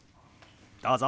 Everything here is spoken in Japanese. どうぞ。